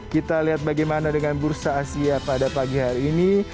kita lihat bagaimana dengan bursa asia pada pagi hari ini